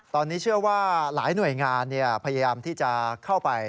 ตอนนี้เชื่อว่าหลายหน่วยงานพยายามที่จะเข้าไป